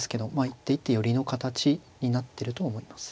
一手一手寄りの形になってると思います。